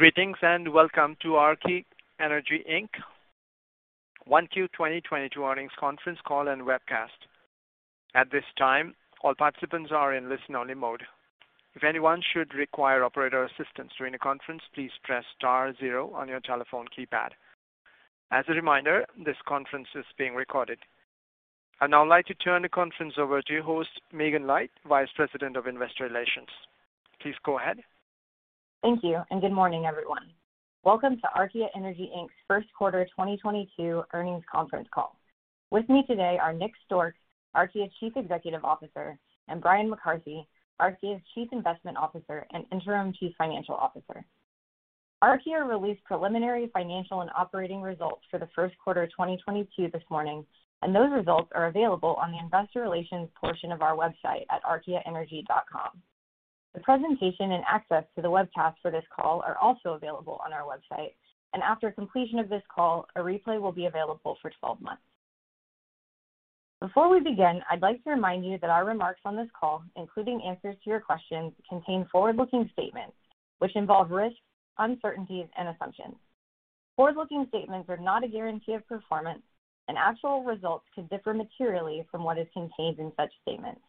Greetings, and welcome to Archaea Energy Inc. Q1 2022 earnings conference call and webcast. At this time, all participants are in listen-only mode. If anyone should require operator assistance during the conference, please press star zero on your telephone keypad. As a reminder, this conference is being recorded. I'd now like to turn the conference over to your host, Megan Light, Vice President of Investor Relations. Please go ahead. Thank you, and good morning, everyone. Welcome to Archaea Energy Inc's Q1 2022 earnings conference call. With me today are Nick Stork, Archaea's Chief Executive Officer, and Brian McCarthy, Archaea's Chief Investment Officer and Interim Chief Financial Officer. Archaea released preliminary financial and operating results for the Q1 of 2022 this morning, and those results are available on the investor relations portion of our website at archaeaenergy.com. The presentation and access to the webcast for this call are also available on our website, and after completion of this call, a replay will be available for 12 months. Before we begin, I'd like to remind you that our remarks on this call, including answers to your questions, contain forward-looking statements which involve risks, uncertainties, and assumptions. Forward-looking statements are not a guarantee of performance, and actual results could differ materially from what is contained in such statements.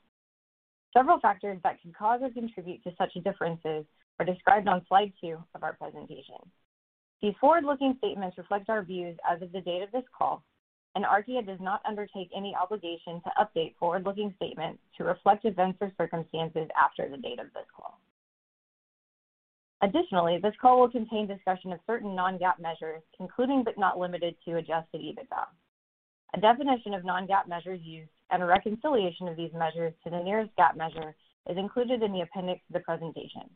Several factors that can cause or contribute to such differences are described on slide two of our presentation. These forward-looking statements reflect our views as of the date of this call, and Archaea does not undertake any obligation to update forward-looking statements to reflect events or circumstances after the date of this call. Additionally, this call will contain discussion of certain non-GAAP measures, including, but not limited to, Adjusted EBITDA. A definition of non-GAAP measures used and a reconciliation of these measures to the nearest GAAP measure is included in the appendix of the presentation.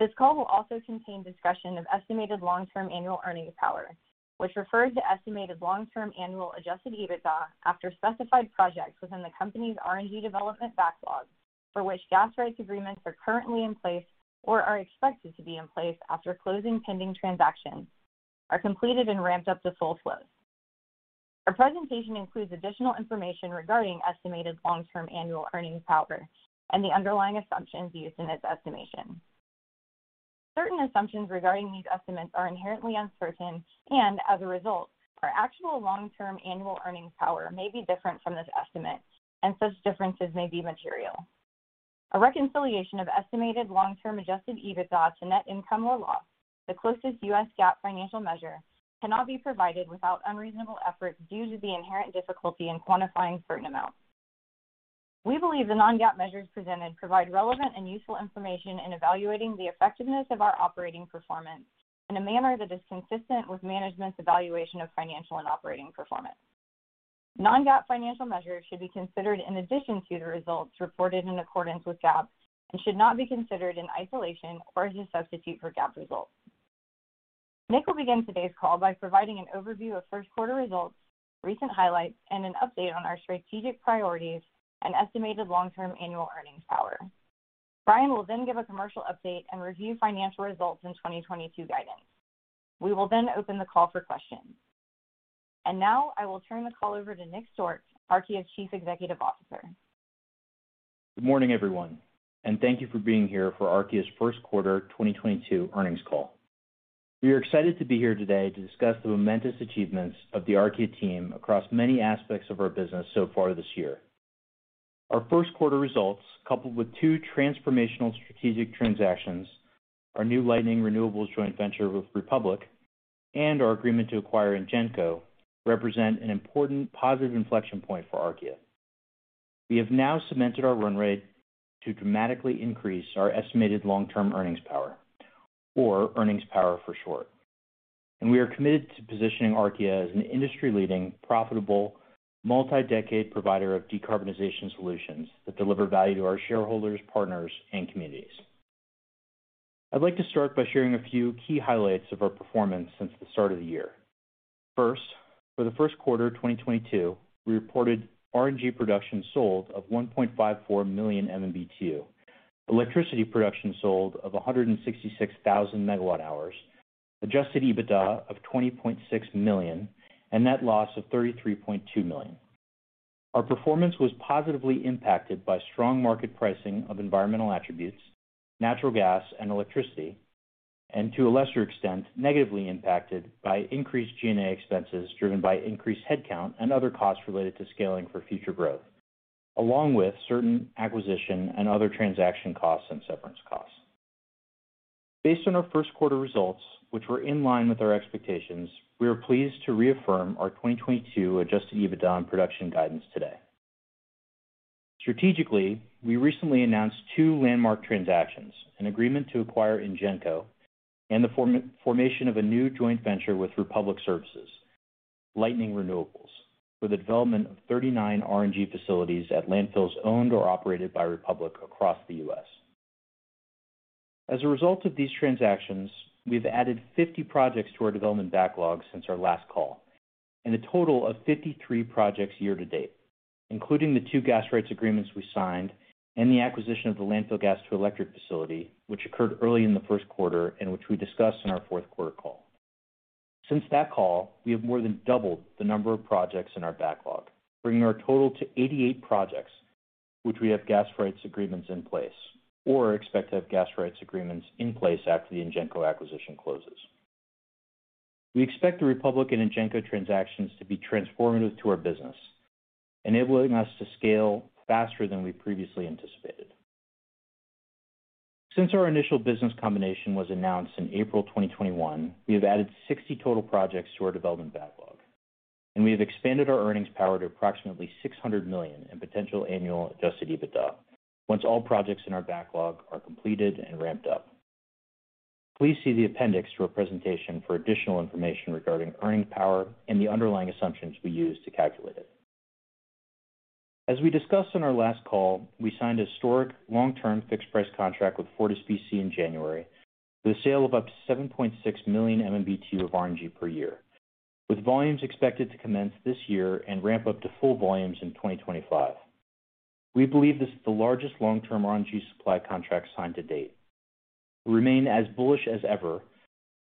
This call will also contain discussion of estimated long-term annual earnings power, which refer to estimated long-term annual Adjusted EBITDA after specified projects within the company's RNG development backlog for which gas rights agreements are currently in place or are expected to be in place after closing pending transactions are completed and ramped up to full flow. Our presentation includes additional information regarding estimated long-term annual earnings power and the underlying assumptions used in its estimation. Certain assumptions regarding these estimates are inherently uncertain and, as a result, our actual long-term annual earnings power may be different from this estimate, and such differences may be material. A reconciliation of estimated long-term Adjusted EBITDA to net income or loss, the closest U.S. GAAP financial measure, cannot be provided without unreasonable effort due to the inherent difficulty in quantifying certain amounts. We believe the non-GAAP measures presented provide relevant and useful information in evaluating the effectiveness of our operating performance in a manner that is consistent with management's evaluation of financial and operating performance. Non-GAAP financial measures should be considered in addition to the results reported in accordance with GAAP and should not be considered in isolation or as a substitute for GAAP results. Nick will begin today's call by providing an overview of Q1 results, recent highlights, and an update on our strategic priorities and estimated long-term annual earnings power. Brian will then give a commercial update and review financial results in 2022 guidance. We will then open the call for questions. Now I will turn the call over to Nick Stork, Archaea's Chief Executive Officer. Good morning, everyone, and thank you for being here for Archaea's Q1 2022 earnings call. We are excited to be here today to discuss the momentous achievements of the Archaea team across many aspects of our business so far this year. Our Q1 results, coupled with two transformational strategic transactions, our new Lightning Renewables joint venture with Republic, and our agreement to acquire INGENCO, represent an important positive inflection point for Archaea. We have now cemented our run rate to dramatically increase our estimated long-term earnings power, or earnings power for short. We are committed to positioning Archaea as an industry-leading, profitable, multi-decade provider of decarbonization solutions that deliver value to our shareholders, partners, and communities. I'd like to start by sharing a few key highlights of our performance since the start of the year. First, for the Q1 of 2022, we reported RNG production sold of 1.54 million MMBTU, electricity production sold of 166,000 megawatt hours, Adjusted EBITDA of $20.6 million, and net loss of $33.2 million. Our performance was positively impacted by strong market pricing of environmental attributes, natural gas and electricity, and to a lesser extent, negatively impacted by increased G&A expenses driven by increased headcount and other costs related to scaling for future growth, along with certain acquisition and other transaction costs and severance costs. Based on our Q1 results, which were in line with our expectations, we are pleased to reaffirm our 2022 Adjusted EBITDA and production guidance today. Strategically, we recently announced two landmark transactions, an agreement to acquire INGENCO and the formation of a new joint venture with Republic Services, Lightning Renewables, for the development of 39 RNG facilities at landfills owned or operated by Republic across the U.S. As a result of these transactions, we've added 50 projects to our development backlog since our last call and a total of 53 projects year to date, including the two gas rights agreements we signed and the acquisition of the landfill gas to electric facility, which occurred early in the Q1 and which we discussed in our Q4 call. Since that call, we have more than doubled the number of projects in our backlog, bringing our total to 88 projects which we have gas rights agreements in place or expect to have gas rights agreements in place after the INGENCO acquisition closes. We expect the Republic INGENCO transactions to be transformative to our business, enabling us to scale faster than we previously anticipated. Since our initial business combination was announced in April 2021, we have added 60 total projects to our development backlog, and we have expanded our earnings power to approximately $600 million in potential annual Adjusted EBITDA once all projects in our backlog are completed and ramped up. Please see the appendix to our presentation for additional information regarding earnings power and the underlying assumptions we use to calculate it. We discussed on our last call, we signed a historic long-term fixed price contract with FortisBC in January for the sale of up to 7.6 million MMBtu of RNG per year, with volumes expected to commence this year and ramp up to full volumes in 2025. We believe this is the largest long-term RNG supply contract signed to date. We remain as bullish as ever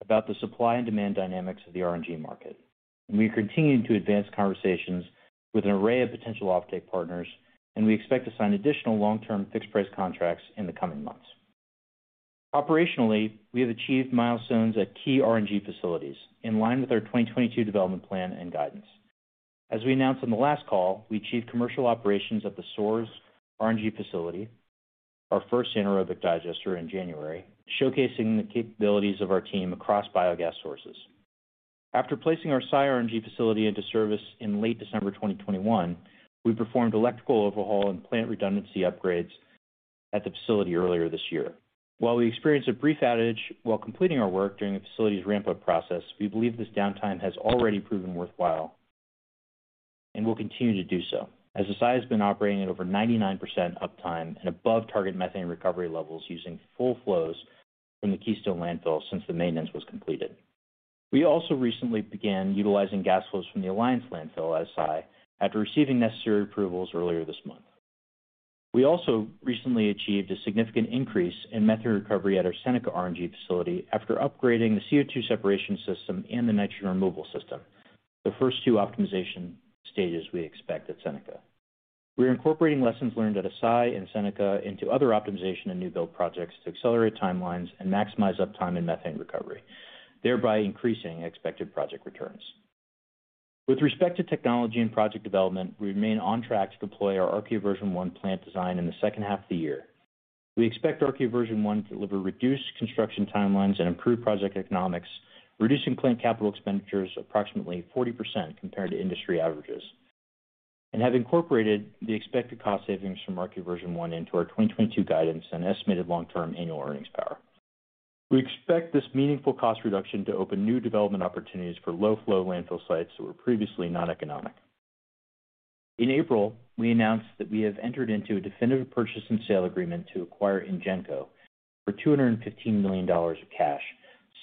about the supply and demand dynamics of the RNG market, and we are continuing to advance conversations with an array of potential offtake partners, and we expect to sign additional long-term fixed price contracts in the coming months. Operationally, we have achieved milestones at key RNG facilities in line with our 2022 development plan and guidance. As we announced on the last call, we achieved commercial operations at the Soares RNG facility, our first anaerobic digester, in January, showcasing the capabilities of our team across biogas sources. After placing our Assai RNG facility into service in late December 2021, we performed electrical overhaul and plant redundancy upgrades at the facility earlier this year. While we experienced a brief outage while completing our work during the facility's ramp-up process, we believe this downtime has already proven worthwhile and will continue to do so, as the site has been operating at over 99% uptime and above target methane recovery levels using full flows from the Keystone landfill since the maintenance was completed. We also recently began utilizing gas flows from the Alliance landfill at Assai after receiving necessary approvals earlier this month. We also recently achieved a significant increase in methane recovery at our Seneca RNG facility after upgrading the CO₂ separation system and the nitrogen removal system, the first two optimization stages we expect at Seneca. We are incorporating lessons learned at Assai and Seneca into other optimization and new build projects to accelerate timelines and maximize uptime and methane recovery, thereby increasing expected project returns. With respect to technology and project development, we remain on track to deploy our Archaea Version one plant design in the second half of the year. We expect Archaea Version one to deliver reduced construction timelines and improved project economics, reducing plant capital expenditures approximately 40% compared to industry averages, and have incorporated the expected cost savings from Archaea Version 1 into our 2022 guidance and estimated long-term annual earnings power. We expect this meaningful cost reduction to open new development opportunities for low flow landfill sites that were previously noneconomic. In April, we announced that we have entered into a definitive purchase and sale agreement to acquire INGENCO for $215 million of cash,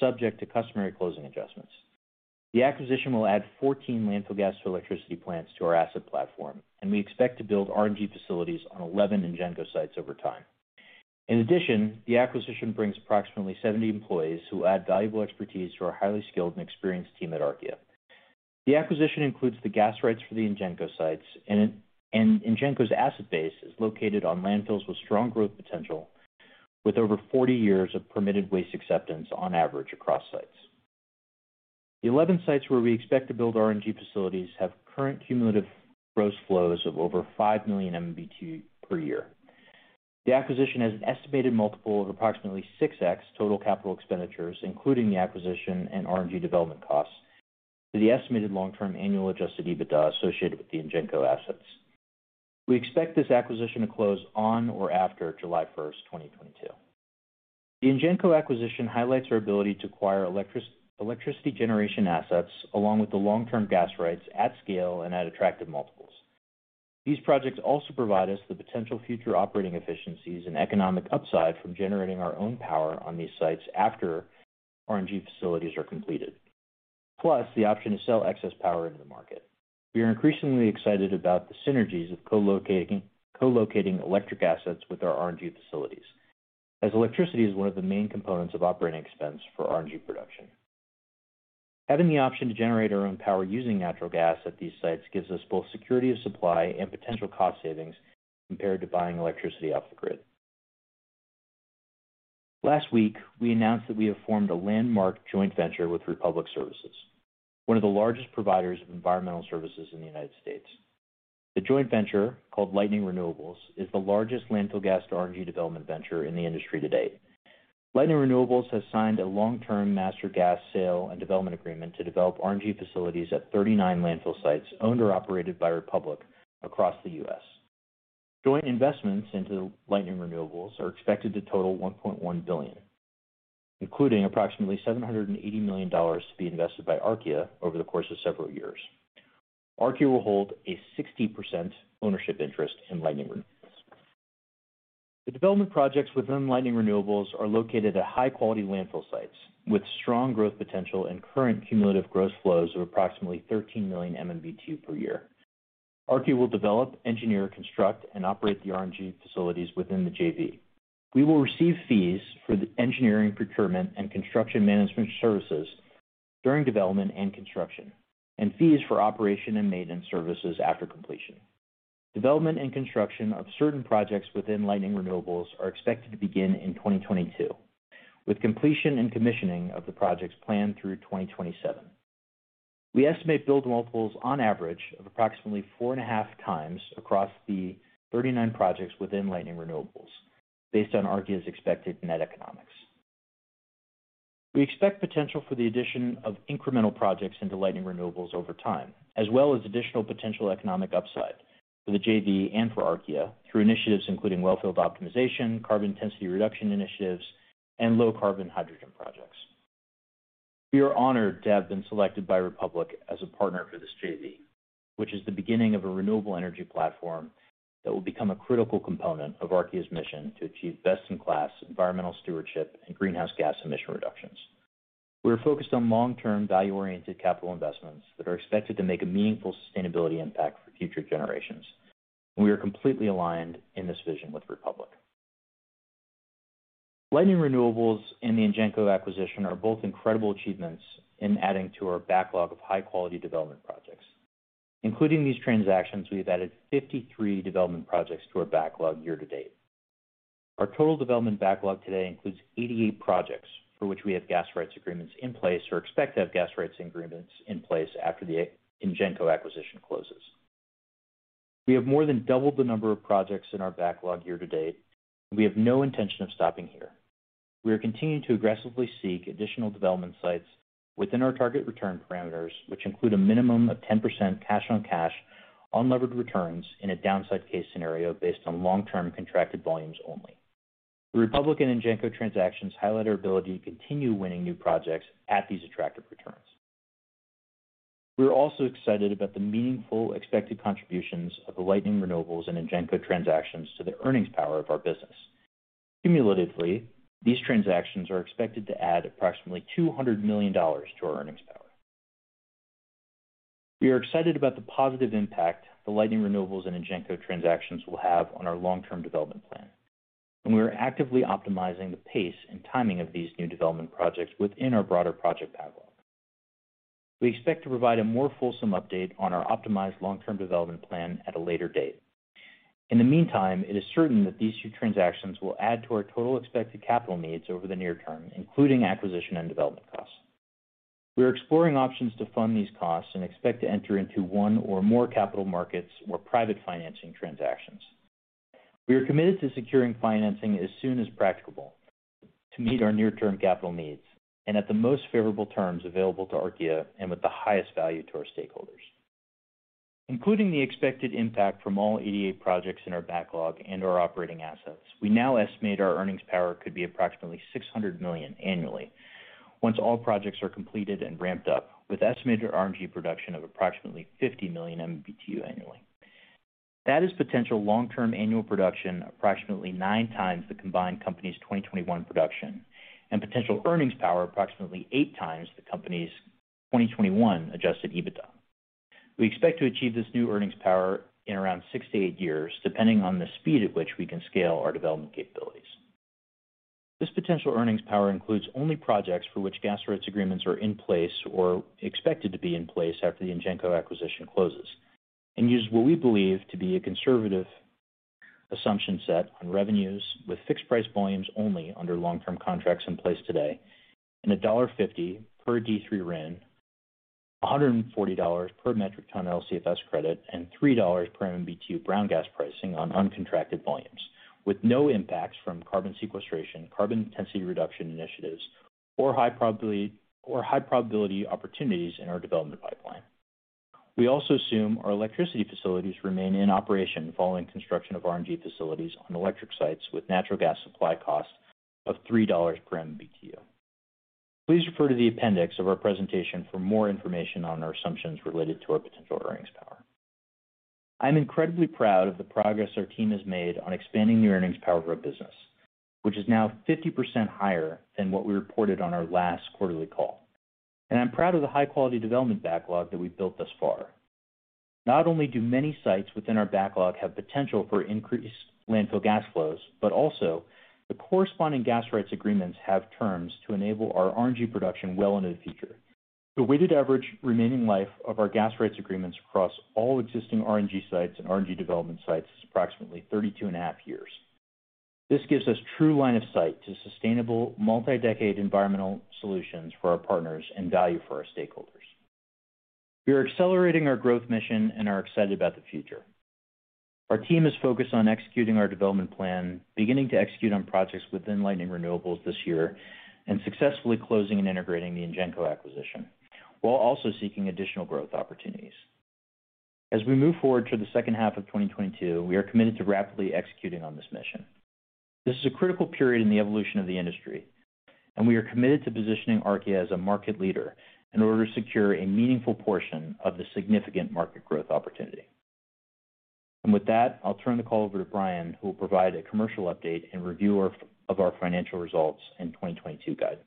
subject to customary closing adjustments. The acquisition will add 14 landfill gas to electricity plants to our asset platform, and we expect to build RNG facilities on 11 INGENCO sites over time. In addition, the acquisition brings approximately 70 employees who add valuable expertise to our highly skilled and experienced team at Archaea. The acquisition includes the gas rights for the INGENCO sites and INGENCO's asset base is located on landfills with strong growth potential, with over 40 years of permitted waste acceptance on average across sites. The 11 sites where we expect to build RNG facilities have current cumulative gross flows of over 5 million MMBtu per year. The acquisition has an estimated multiple of approximately 6x total capital expenditures, including the acquisition and RNG development costs to the estimated long-term annual Adjusted EBITDA associated with the INGENCO assets. We expect this acquisition to close on or after July 1, 2022. The INGENCO acquisition highlights our ability to acquire electricity generation assets along with the long-term gas rights at scale and at attractive multiples. These projects also provide us the potential future operating efficiencies and economic upside from generating our own power on these sites after RNG facilities are completed, plus the option to sell excess power into the market. We are increasingly excited about the synergies of co-locating electric assets with our RNG facilities, as electricity is one of the main components of operating expense for RNG production. Having the option to generate our own power using natural gas at these sites gives us both security of supply and potential cost savings compared to buying electricity off the grid. Last week, we announced that we have formed a landmark joint venture with Republic Services, one of the largest providers of environmental services in the United States. The joint venture, called Lightning Renewables, is the largest landfill gas to RNG development venture in the industry to date. Lightning Renewables has signed a long-term master gas sale and development agreement to develop RNG facilities at 39 landfill sites owned or operated by Republic across the U.S. Joint investments into Lightning Renewables are expected to total $1.1 billion, including approximately $780 million to be invested by Archaea over the course of several years. Archaea will hold a 60% ownership interest in Lightning Renewables. The development projects within Lightning Renewables are located at high-quality landfill sites with strong growth potential and current cumulative gross flows of approximately 13 million MMBtu per year. Archaea will develop, engineer, construct, and operate the RNG facilities within the JV. We will receive fees for the engineering, procurement, and construction management services during development and construction, and fees for operation and maintenance services after completion. Development and construction of certain projects within Lightning Renewables are expected to begin in 2022, with completion and commissioning of the projects planned through 2027. We estimate build multiples on average of approximately 4.5x across the 39 projects within Lightning Renewables based on Archaea's expected net economics. We expect potential for the addition of incremental projects into Lightning Renewables over time, as well as additional potential economic upside for the JV and for Archaea through initiatives including wellfield optimization, carbon intensity reduction initiatives, and low-carbon hydrogen projects. We are honored to have been selected by Republic as a partner for this JV, which is the beginning of a renewable energy platform that will become a critical component of Archaea's mission to achieve best in class environmental stewardship and greenhouse gas emission reductions. We are focused on long-term, value-oriented capital investments that are expected to make a meaningful sustainability impact for future generations, and we are completely aligned in this vision with Republic. Lightning Renewables and the INGENCO acquisition are both incredible achievements in adding to our backlog of high-quality development projects. Including these transactions, we've added 53 development projects to our backlog year to date. Our total development backlog today includes 88 projects for which we have gas rights agreements in place or expect to have gas rights agreements in place after the INGENCO acquisition closes. We have more than doubled the number of projects in our backlog year to date. We have no intention of stopping here. We are continuing to aggressively seek additional development sites within our target return parameters, which include a minimum of 10% cash on cash unlevered returns in a downside case scenario based on long-term contracted volumes only. The Republic and INGENCO transactions highlight our ability to continue winning new projects at these attractive returns. We are also excited about the meaningful expected contributions of the Lightning Renewables and INGENCO transactions to the earnings power of our business. Cumulatively, these transactions are expected to add approximately $200 million to our earnings power. We are excited about the positive impact the Lightning Renewables and INGENCO transactions will have on our long-term development plan, and we are actively optimizing the pace and timing of these new development projects within our broader project backlog. We expect to provide a more fulsome update on our optimized long-term development plan at a later date. In the meantime, it is certain that these two transactions will add to our total expected capital needs over the near term, including acquisition and development costs. We are exploring options to fund these costs and expect to enter into one or more capital markets or private financing transactions. We are committed to securing financing as soon as practicable to meet our near-term capital needs and at the most favorable terms available to Archaea and with the highest value to our stakeholders. Including the expected impact from all Archaea projects in our backlog and our operating assets, we now estimate our earnings power could be approximately $600 million annually once all projects are completed and ramped up, with estimated RNG production of approximately 50 million MMBTU annually. That is potential long-term annual production approximately nine times the combined company's 2021 production and potential earnings power approximately eight times the company's 2021 Adjusted EBITDA. We expect to achieve this new earnings power in around 6-8 years, depending on the speed at which we can scale our development capabilities. This potential earnings power includes only projects for which gas rights agreements are in place or expected to be in place after the INGENCO acquisition closes, and uses what we believe to be a conservative assumption set on revenues with fixed price volumes only under long-term contracts in place today and $1.50 per D3 RIN, $140 per metric ton LCFS credit, and $3 per MMBTU brown gas pricing on uncontracted volumes, with no impacts from carbon sequestration, carbon intensity reduction initiatives or high probability opportunities in our development pipeline. We also assume our electricity facilities remain in operation following construction of RNG facilities on electric sites with natural gas supply costs of $3 per MMBTU. Please refer to the appendix of our presentation for more information on our assumptions related to our potential earnings power. I'm incredibly proud of the progress our team has made on expanding the earnings power of our business, which is now 50% higher than what we reported on our last quarterly call. I'm proud of the high-quality development backlog that we've built thus far. Not only do many sites within our backlog have potential for increased landfill gas flows, but also the corresponding gas rights agreements have terms to enable our RNG production well into the future. The weighted average remaining life of our gas rights agreements across all existing RNG sites and RNG development sites is approximately 32.5 years. This gives us true line of sight to sustainable multi-decade environmental solutions for our partners and value for our stakeholders. We are accelerating our growth mission and are excited about the future. Our team is focused on executing our development plan, beginning to execute on projects within Lightning Renewables this year and successfully closing and integrating the INGENCO acquisition, while also seeking additional growth opportunities. As we move forward through the second half of 2022, we are committed to rapidly executing on this mission. This is a critical period in the evolution of the industry and we are committed to positioning Archaea as a market leader in order to secure a meaningful portion of the significant market growth opportunity. With that, I'll turn the call over to Brian, who will provide a commercial update and review our financial results and 2022 guidance.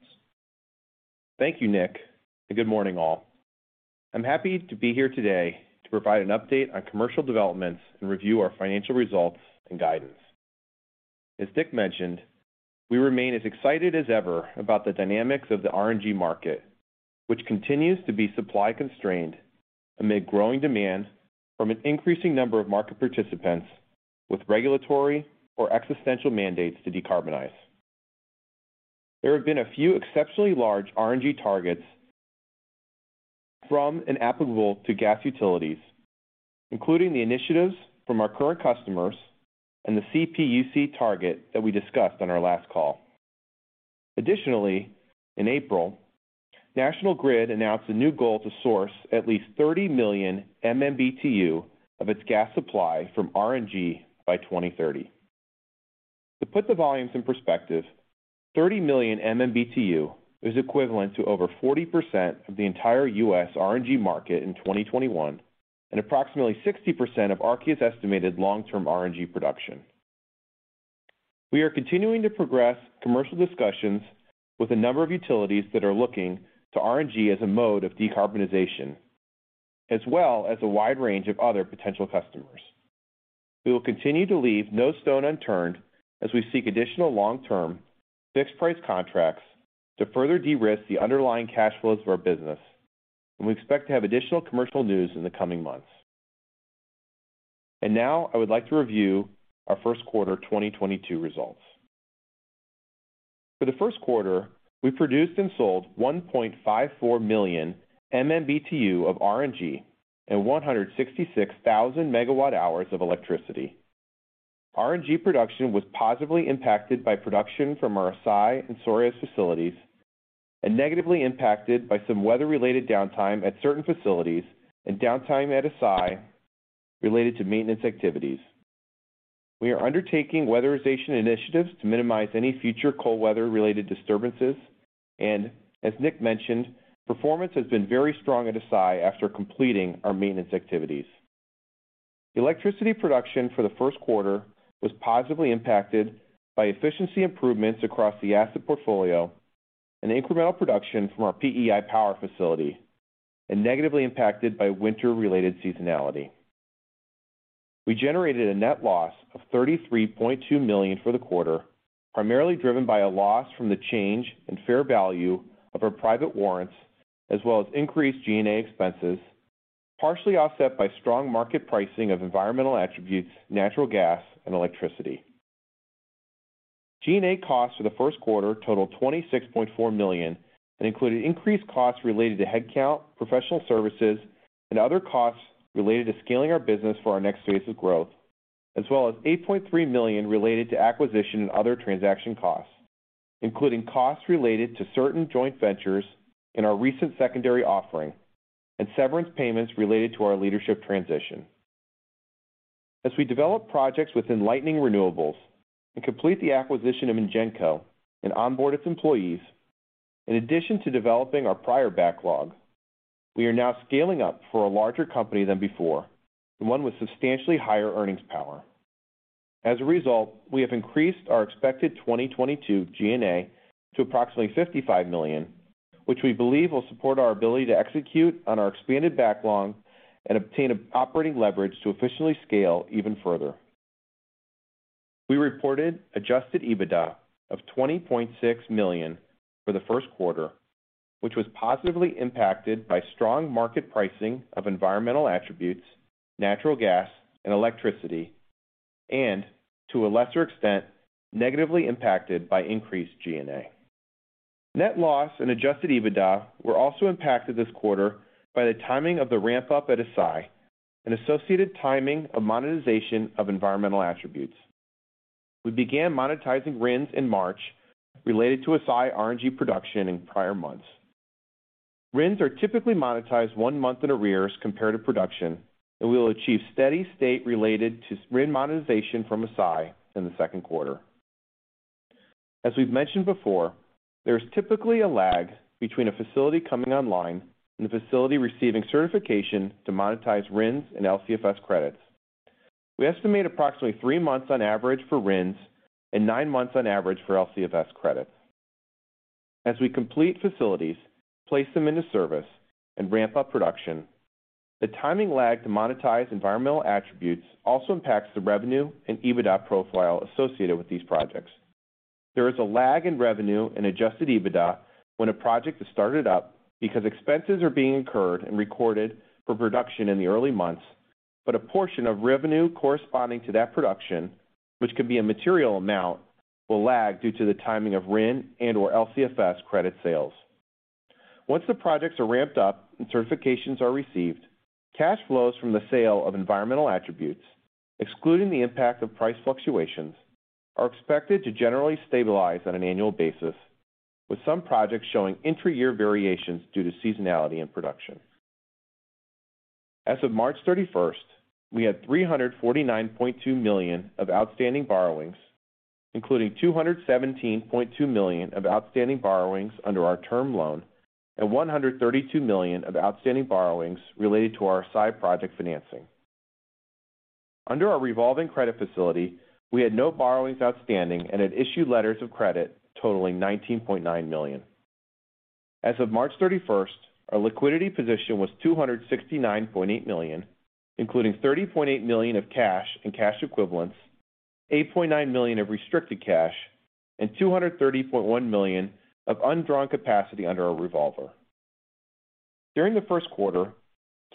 Thank you, Nick, and good morning all. I'm happy to be here today to provide an update on commercial developments and review our financial results and guidance. As Nick mentioned, we remain as excited as ever about the dynamics of the RNG market, which continues to be supply constrained amid growing demand from an increasing number of market participants with regulatory or existential mandates to decarbonize. There have been a few exceptionally large RNG targets from and applicable to gas utilities, including the initiatives from our current customers and the CPUC target that we discussed on our last call. Additionally, in April, National Grid announced a new goal to source at least 30 million MMBTU of its gas supply from RNG by 2030. To put the volumes in perspective, 30 million MMBTU is equivalent to over 40% of the entire U.S. RNG market in 2021 and approximately 60% of RG's estimated long-term RNG production. We are continuing to progress commercial discussions with a number of utilities that are looking to RNG as a mode of decarbonization, as well as a wide range of other potential customers. We will continue to leave no stone unturned as we seek additional long-term, fixed-price contracts to further de-risk the underlying cash flows of our business, and we expect to have additional commercial news in the coming months. Now I would like to review our Q1 2022 results. For the Q1, we produced and sold 1.54 million MMBTU of RNG and 166,000 megawatt-hours of electricity. RNG production was positively impacted by production from our Assai and Soares facilities and negatively impacted by some weather-related downtime at certain facilities and downtime at Assai related to maintenance activities. We are undertaking weatherization initiatives to minimize any future cold weather-related disturbances, and as Nick mentioned, performance has been very strong at Assai after completing our maintenance activities. Electricity production for the Q1 was positively impacted by efficiency improvements across the asset portfolio and incremental production from our PEI Power facility and negatively impacted by winter-related seasonality. We generated a net loss of $33.2 million for the quarter, primarily driven by a loss from the change in fair value of our private warrants as well as increased G&A expenses, partially offset by strong market pricing of environmental attributes, natural gas and electricity. G&A costs for the Q1 totaled $26.4 million and included increased costs related to headcount, professional services, and other costs related to scaling our business for our next phase of growth, as well as $8.3 million related to acquisition and other transaction costs, including costs related to certain joint ventures in our recent secondary offering and severance payments related to our leadership transition. As we develop projects within Lightning Renewables and complete the acquisition of INGENCO and onboard its employees, in addition to developing our prior backlog, we are now scaling up for a larger company than before, and one with substantially higher earnings power. As a result, we have increased our expected 2022 G&A to approximately $55 million, which we believe will support our ability to execute on our expanded backlog and obtain operating leverage to efficiently scale even further. We reported Adjusted EBITDA of $20.6 million for the Q1, which was positively impacted by strong market pricing of environmental attributes, natural gas and electricity, and to a lesser extent, negatively impacted by increased G&A. Net loss and Adjusted EBITDA were also impacted this quarter by the timing of the ramp up at Assai and associated timing of monetization of environmental attributes. We began monetizing RINs in March related to Assai RNG production in prior months. RINs are typically monetized one month in arrears compared to production, and we will achieve steady state related to RIN monetization from Assai in the Q2. As we've mentioned before, there is typically a lag between a facility coming online and the facility receiving certification to monetize RINs and LCFS credits. We estimate approximately three months on average for RINs and nine months on average for LCFS credits. As we complete facilities, place them into service, and ramp up production, the timing lag to monetize environmental attributes also impacts the revenue and Adjusted EBITDA profile associated with these projects. There is a lag in revenue and Adjusted EBITDA when a project is started up because expenses are being incurred and recorded for production in the early months, but a portion of revenue corresponding to that production, which can be a material amount, will lag due to the timing of RIN and/or LCFS credit sales. Once the projects are ramped up and certifications are received, cash flows from the sale of environmental attributes, excluding the impact of price fluctuations, are expected to generally stabilize on an annual basis, with some projects showing intra-year variations due to seasonality in production. As of March 31, we had $349.2 million of outstanding borrowings, including $217.2 million of outstanding borrowings under our term loan and $132 million of outstanding borrowings related to our site project financing. Under our revolving credit facility, we had no borrowings outstanding and had issued letters of credit totaling $19.9 million. As of March 31, our liquidity position was $269.8 million, including $30.8 million of cash and cash equivalents, $8.9 million of restricted cash, and $230.1 million of undrawn capacity under our revolver. During the Q1,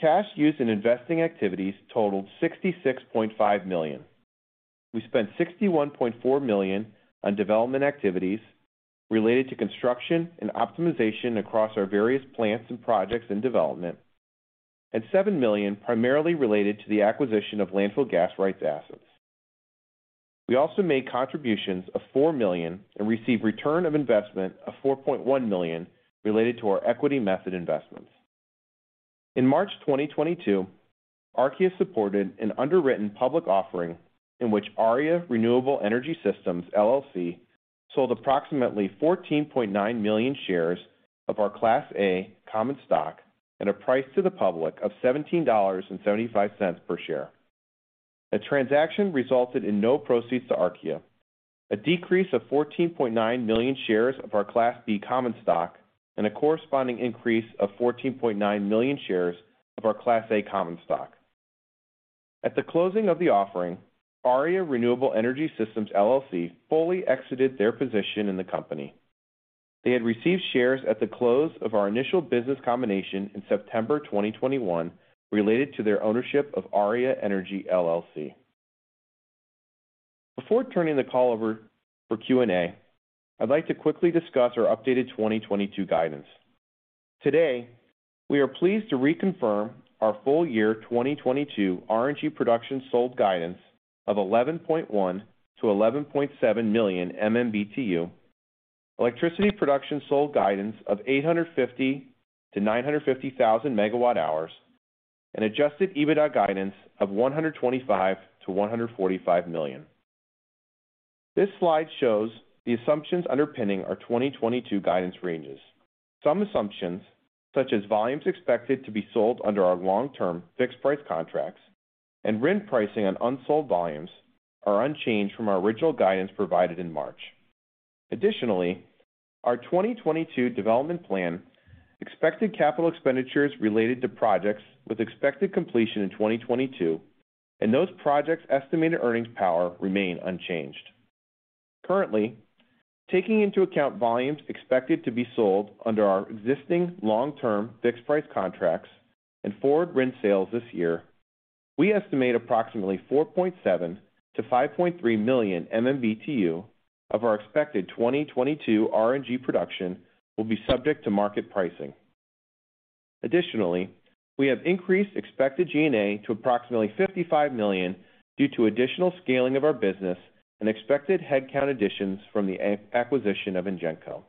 cash used in investing activities totaled $66.5 million. We spent $61.4 million on development activities related to construction and optimization across our various plants and projects in development, and $7 million primarily related to the acquisition of landfill gas rights assets. We also made contributions of $4 million and received return of investment of $4.1 million related to our equity method investments. In March 2022, Archaea supported an underwritten public offering in which Archaea Renewable Energy Systems LLC sold approximately 14.9 million shares of our Class A common stock at a price to the public of $17.75 per share. The transaction resulted in no proceeds to Archaea, a decrease of 14.9 million shares of our Class B common stock, and a corresponding increase of 14.9 million shares of our Class A common stock. At the closing of the offering, Archaea Renewable Energy Systems LLC fully exited their position in the company. They had received shares at the close of our initial business combination in September 2021 related to their ownership of Archaea Energy LLC. Before turning the call over for Q&A, I'd like to quickly discuss our updated 2022 guidance. Today, we are pleased to reconfirm our full year 2022 RNG production sold guidance of 11.1-11.7 million MMBTU, electricity production sold guidance of 850-950 thousand MWh, and adjusted EBITDA guidance of $125-$145 million. This slide shows the assumptions underpinning our 2022 guidance ranges. Some assumptions, such as volumes expected to be sold under our long-term fixed price contracts and RIN pricing on unsold volumes, are unchanged from our original guidance provided in March. Additionally, our 2022 development plan expected capital expenditures related to projects with expected completion in 2022 and those projects' estimated earnings power remain unchanged. Currently, taking into account volumes expected to be sold under our existing long-term fixed-price contracts and forward RIN sales this year, we estimate approximately 4.7-5.3 million MMBTU of our expected 2022 RNG production will be subject to market pricing. Additionally, we have increased expected G&A to approximately $55 million due to additional scaling of our business and expected headcount additions from the acquisition of INGENCO.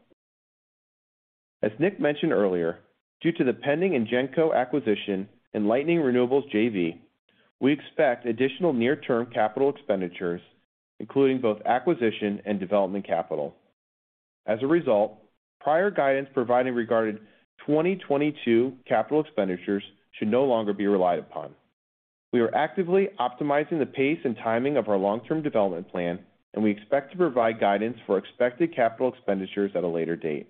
As Nick mentioned earlier, due to the pending INGENCO acquisition and Lightning Renewables JV, we expect additional near-term capital expenditures, including both acquisition and development capital. As a result, prior guidance provided regarding 2022 capital expenditures should no longer be relied upon. We are actively optimizing the pace and timing of our long-term development plan, and we expect to provide guidance for expected capital expenditures at a later date.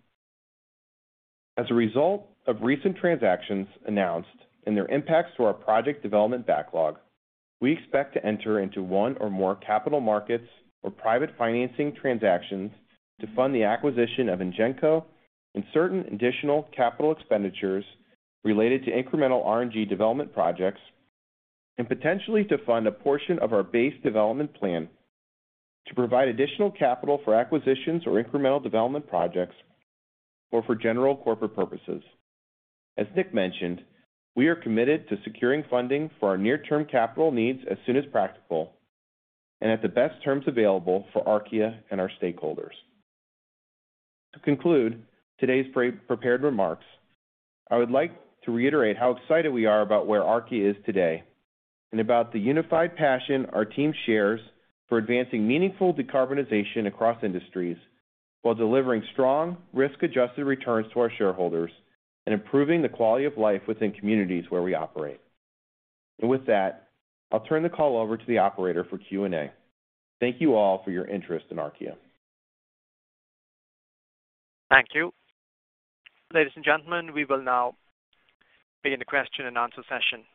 As a result of recent transactions announced and their impacts to our project development backlog, we expect to enter into one or more capital markets or private financing transactions to fund the acquisition of INGENCO and certain additional capital expenditures related to incremental RNG development projects, and potentially to fund a portion of our base development plan to provide additional capital for acquisitions or incremental development projects or for general corporate purposes. As Nick mentioned, we are committed to securing funding for our near-term capital needs as soon as practical and at the best terms available for Archaea and our stakeholders. To conclude today's pre-prepared remarks, I would like to reiterate how excited we are about where Archaea is today and about the unified passion our team shares for advancing meaningful decarbonization across industries while delivering strong risk-adjusted returns to our shareholders and improving the quality of life within communities where we operate. With that, I'll turn the call over to the operator for Q&A. Thank you all for your interest in Archaea. Thank you. Ladies and gentlemen, we will now begin the question and answer session.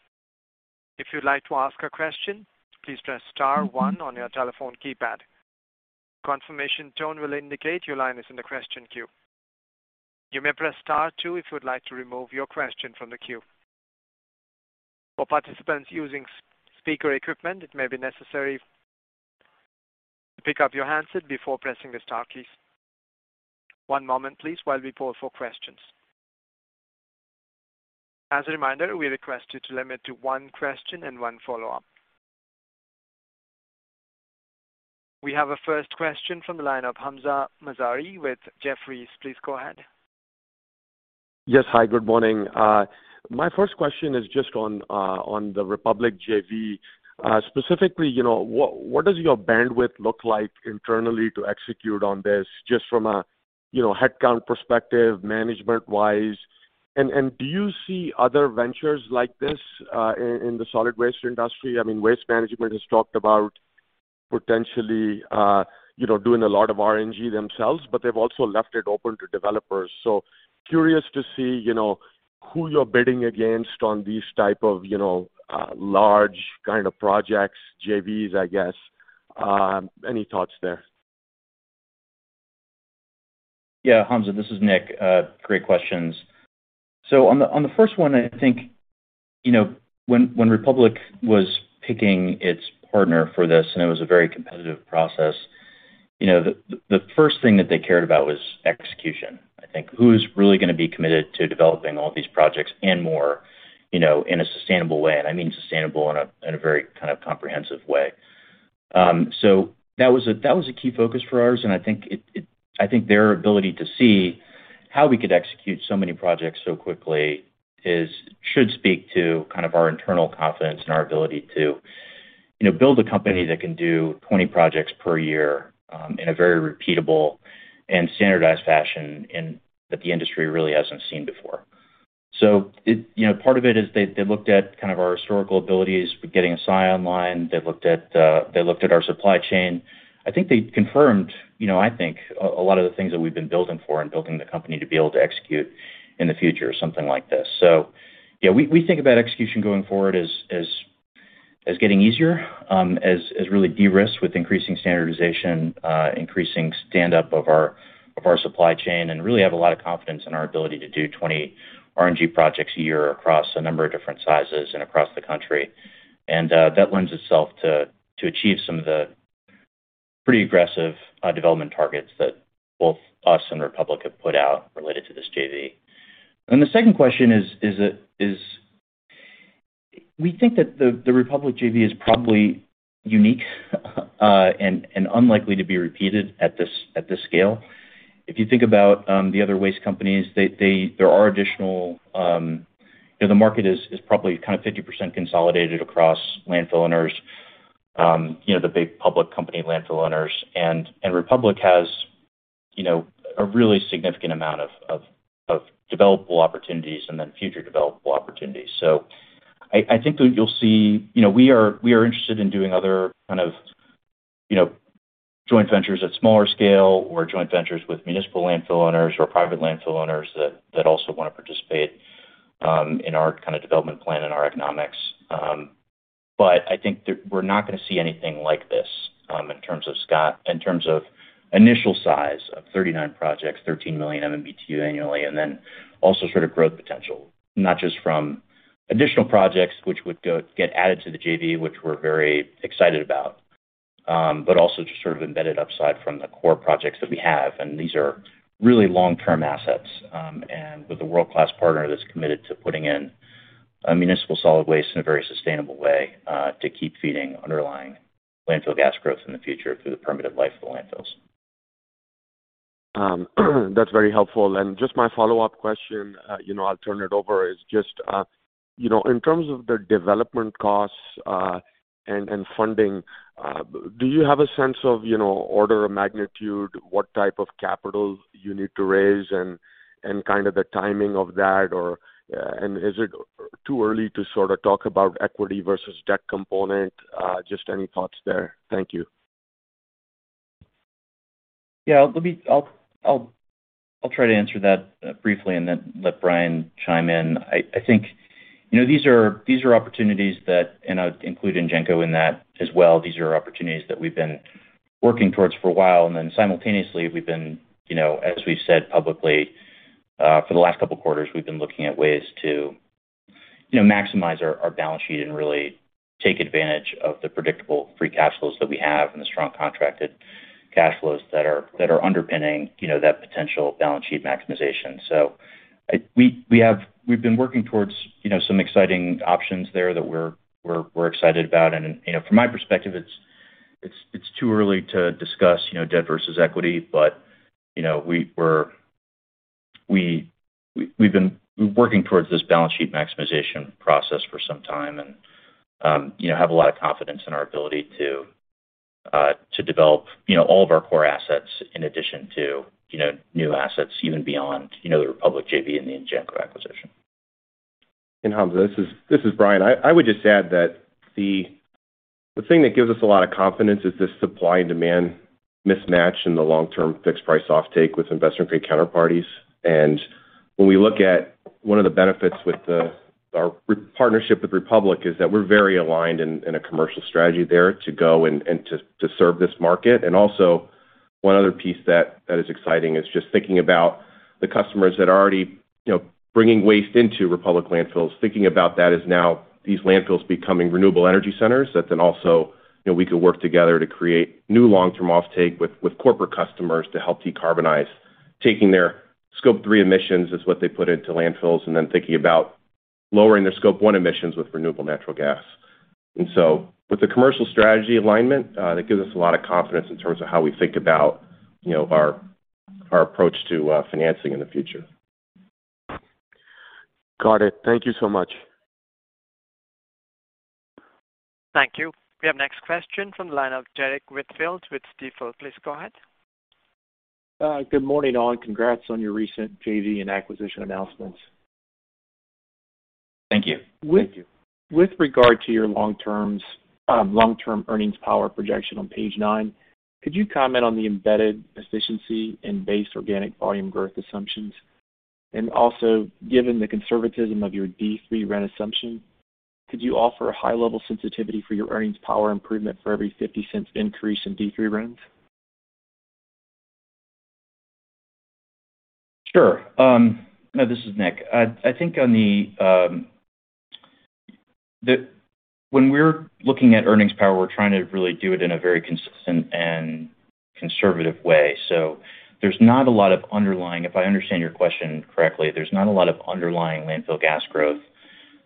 If you'd like to ask a question, please press star one on your telephone keypad. A confirmation tone will indicate your line is in the question queue. You may press star two if you would like to remove your question from the queue. For participants using speaker equipment, it may be necessary to pick up your handset before pressing the star keys. One moment, please, while we poll for questions. As a reminder, we request you to limit to one question and one follow-up. We have a first question from the line of Hamzah Mazari with Jefferies. Please go ahead. Yes. Hi, good morning. My first question is just on the Republic JV. Specifically, you know, what does your bandwidth look like internally to execute on this just from a, you know, headcount perspective, management-wise. Do you see other ventures like this in the solid waste industry? I mean, Waste Management has talked about potentially, you know, doing a lot of RNG themselves, but they've also left it open to developers. Curious to see, you know, who you're bidding against on these type of, you know, large kind of projects, JVs, I guess. Any thoughts there? Yeah. Hamzah, this is Nick. Great questions. On the first one, I think, you know, when Republic was picking its partner for this, and it was a very competitive process, you know, the first thing that they cared about was execution, I think. Who's really gonna be committed to developing all these projects and more, you know, in a sustainable way? I mean sustainable in a very kind of comprehensive way. That was a key focus for ours, and I think their ability to see how we could execute so many projects so quickly is. Should speak to kind of our internal confidence and our ability to, you know, build a company that can do 20 projects per year in a very repeatable and standardized fashion, and that the industry really hasn't seen before. You know, part of it is they looked at kind of our historical abilities with getting Assai online. They looked at our supply chain. I think they confirmed, you know, I think a lot of the things that we've been building for and building the company to be able to execute in the future, something like this. Yeah, we think about execution going forward as getting easier, as really de-risk with increasing standardization, increasing standup of our supply chain, and really have a lot of confidence in our ability to do 20 RNG projects a year across a number of different sizes and across the country. That lends itself to achieve some of the pretty aggressive development targets that both us and Republic have put out related to this JV. The second question is that we think that the Republic JV is probably unique and unlikely to be repeated at this scale. If you think about the other waste companies, there are additional. You know, the market is probably kind of 50% consolidated across landfill owners, you know, the big public company landfill owners. Republic has, you know, a really significant amount of developable opportunities and then future developable opportunities. I think that you'll see. You know, we are interested in doing other kind of, you know, joint ventures at smaller scale or joint ventures with municipal landfill owners or private landfill owners that also wanna participate in our kind of development plan and our economics. I think that we're not gonna see anything like this in terms of scale, in terms of initial size of 39 projects, 13 million MMBtu annually, and then also sort of growth potential, not just from additional projects, which would go. Get added to the JV, which we're very excited about, but also just sort of embedded upside from the core projects that we have. These are really long-term assets, and with a world-class partner that's committed to putting in a municipal solid waste in a very sustainable way, to keep feeding underlying landfill gas growth in the future through the permitted life of the landfills. That's very helpful. Just my follow-up question, you know, I'll turn it over, is just, you know, in terms of the development costs and funding, do you have a sense of, you know, order of magnitude, what type of capital you need to raise and kind of the timing of that? Or, is it too early to sort of talk about equity versus debt component? Just any thoughts there. Thank you. Yeah, let me try to answer that briefly and then let Brian chime in. I think, you know, these are opportunities that, and I'd include INGENCO in that as well, that we've been working towards for a while, and then simultaneously we've been, you know, as we've said publicly, for the last couple quarters, we've been looking at ways to, you know, maximize our balance sheet and really take advantage of the predictable free cash flows that we have and the strong contracted cash flows that are underpinning, you know, that potential balance sheet maximization. We've been working towards, you know, some exciting options there that we're excited about. You know, from my perspective, it's too early to discuss, you know, debt versus equity. You know, we've been working towards this balance sheet maximization process for some time and, you know, have a lot of confidence in our ability to develop, you know, all of our core assets in addition to, you know, new assets even beyond, you know, the Republic JV and the INGENCO acquisition. Hamzah, this is Brian. I would just add that the thing that gives us a lot of confidence is this supply and demand mismatch in the long term fixed price offtake with investment-grade counterparties. When we look at one of the benefits with our partnership with Republic, is that we're very aligned in a commercial strategy there to go and to serve this market. Also one other piece that is exciting is just thinking about the customers that are already, you know, bringing waste into Republic landfills. Thinking about that as now these landfills becoming renewable energy centers that then also, you know, we could work together to create new long-term offtake with corporate customers to help decarbonize. Taking their Scope three emissions is what they put into landfills, and then thinking about lowering their Scope one emissions with renewable natural gas. With the commercial strategy alignment, that gives us a lot of confidence in terms of how we think about, you know, our approach to financing in the future. Got it. Thank you so much. Thank you. We have next question from the line of Derrick Whitfield with Stifel. Please go ahead. Good morning, all. Congrats on your recent JV and acquisition announcements. Thank you. Thank you. With regard to your long-term earnings power projection on page nine, could you comment on the embedded efficiency and base organic volume growth assumptions? Given the conservatism of your D3 RIN assumption, could you offer a high-level sensitivity for your earnings power improvement for every 50-cent increase in D3 RINs? Sure. This is Nick. I think when we're looking at earnings power, we're trying to really do it in a very consistent and conservative way. If I understand your question correctly, there's not a lot of underlying landfill gas growth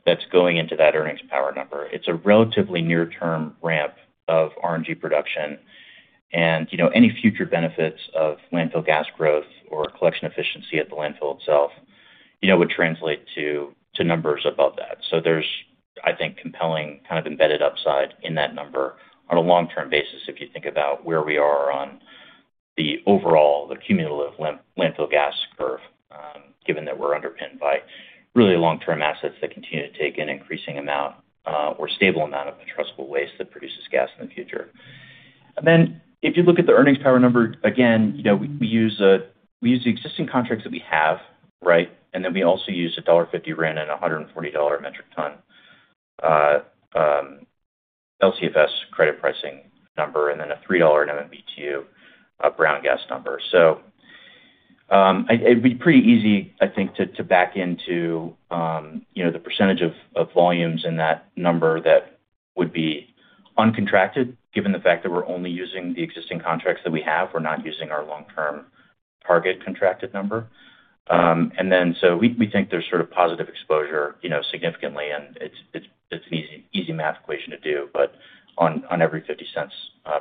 that's going into that earnings power number. It's a relatively near-term ramp of RNG production. You know, any future benefits of landfill gas growth or collection efficiency at the landfill itself, you know, would translate to numbers above that. There's, I think, compelling kind of embedded upside in that number on a long-term basis, if you think about where we are on the overall, the cumulative landfill gas curve, given that we're underpinned by really long-term assets that continue to take an increasing amount, or stable amount of municipal waste that produces gas in the future. If you look at the earnings power number, again, you know, we use the existing contracts that we have, right? And then we also use a $1.50 RIN and a $140/metric ton LCFS credit pricing number, and then a $3/MMBtu blended gas number. It'd be pretty easy, I think, to back into, you know, the percentage of volumes in that number that would be uncontracted, given the fact that we're only using the existing contracts that we have. We're not using our long-term target contracted number. We think there's sort of positive exposure, you know, significantly, and it's an easy math equation to do, but on every $0.50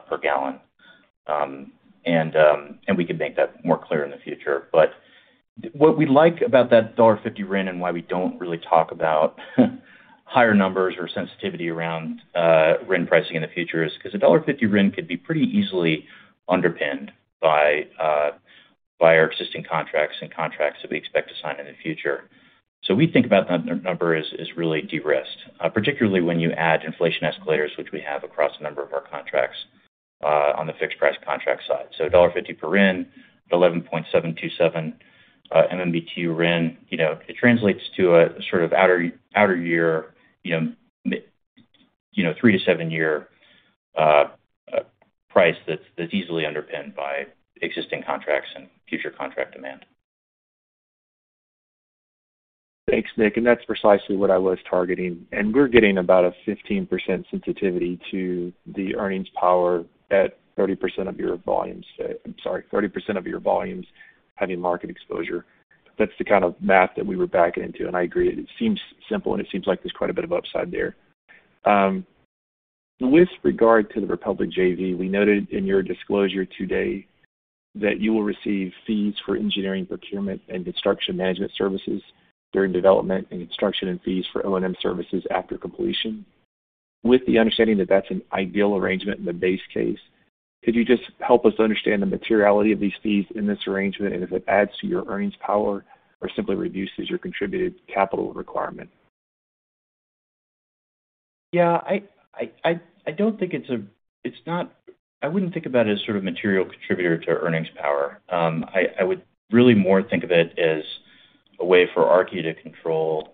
per gallon. We can make that more clear in the future. What we like about that $1.50 RIN and why we don't really talk about higher numbers or sensitivity around RIN pricing in the future is 'cause a $1.50 RIN could be pretty easily underpinned by our existing contracts and contracts that we expect to sign in the future. We think about that number as really de-risked, particularly when you add inflation escalators, which we have across a number of our contracts, on the fixed price contract side. $1.50 per RIN at 11.727 MMBTU RIN, you know, it translates to a sort of outer year, you know, three-seven-year price that's easily underpinned by existing contracts and future contract demand. Thanks, Nick. That's precisely what I was targeting. We're getting about a 15% sensitivity to the earnings power at 30% of your volumes having market exposure. That's the kind of math that we were backing into. I agree, it seems simple, and it seems like there's quite a bit of upside there. With regard to the Republic JV, we noted in your disclosure today that you will receive fees for engineering, procurement and construction management services during development and construction and fees for O&M services after completion. With the understanding that that's an ideal arrangement in the base case, could you just help us understand the materiality of these fees in this arrangement and if it adds to your earnings power or simply reduces your contributed capital requirement? Yeah. I don't think it's a material contributor to earnings power. I would really more think of it as a way for RG to control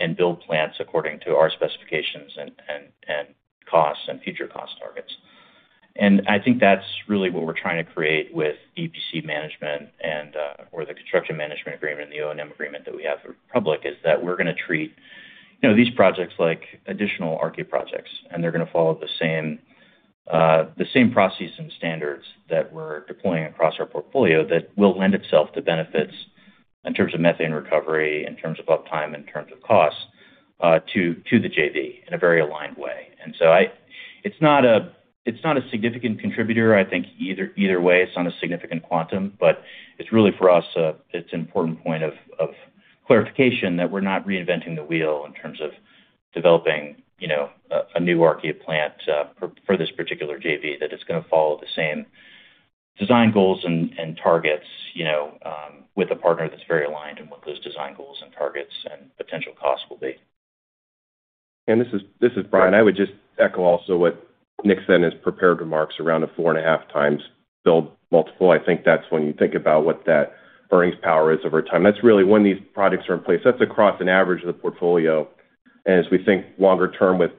and build plants according to our specifications and costs and future cost targets. I think that's really what we're trying to create with EPC management or the construction management agreement and the O&M agreement that we have with Republic, is that we're gonna treat, you know, these projects like additional RG projects, and they're gonna follow the same processes and standards that we're deploying across our portfolio that will lend itself to benefits in terms of methane recovery, in terms of uptime, in terms of cost to the JV in a very aligned way. It's not a significant contributor. I think either way, it's not a significant quantum, but it's really, for us, it's an important point of clarification that we're not reinventing the wheel in terms of developing, you know, a new RNG plant for this particular JV. That it's gonna follow the same design goals and targets, you know, with a partner that's very aligned in what those design goals and targets and potential costs will be. This is Brian. I would just echo also what Nick said in his prepared remarks around a 4.5x build multiple. I think that's when you think about what that earnings power is over time. That's really when these products are in place. That's across an average of the portfolio. As we think longer term with